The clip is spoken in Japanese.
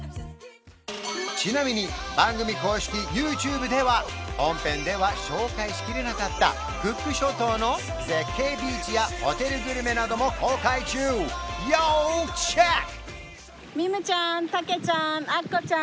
ちなみに番組公式ＹｏｕＴｕｂｅでは本編では紹介しきれなかったクック諸島の絶景ビーチやホテルグルメなども公開中要チェック！